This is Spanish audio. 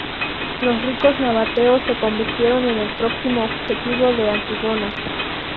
Los ricos nabateos se convirtieron en el próximo objetivo de Antígono.